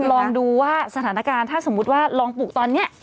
ลองดูว่าสถานการณ์ถ้าสมมุติว่าลองปลูกตอนนี้